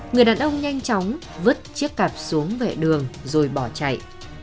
người đàn ông nhanh chóng vứt chiếc cặp xuống vệ đường rồi bỏ chạy